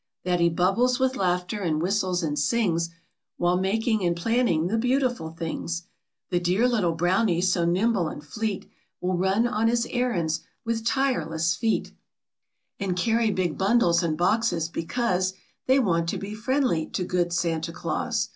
That he bubbles with laughter, and whistles and sings, While making and planning the beautiful things. The dear little Brownies, so nimble and fleet, Will run on his errands with dreless feet, WHERE SANTA CLAUS LIVES , AND WHAT HE DOES. And carry big bundles and boxes, because They want to be friendly to good Santa Claus.